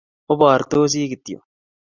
Obortosi kityo